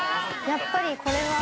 やっぱりこれは。